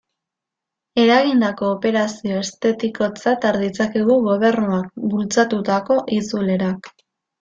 Eragindako operazio estetikotzat har ditzakegu Gobernuak bultzatutako itzulerak.